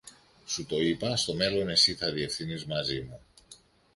Σου το είπα, στο μέλλον εσύ θα διευθύνεις μαζί μου.